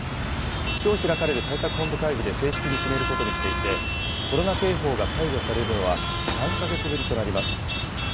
きょう開かれる対策本部会議で正式に決めることにしていて、コロナ警報が解除されるのは３か月ぶりとなります。